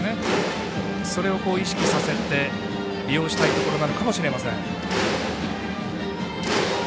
それを意識させて利用させたいところなのかもしれません。